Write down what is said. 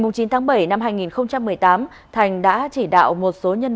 bao nhiêu năm rồi hai mươi tám năm